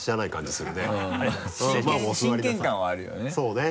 真剣感はあるよね。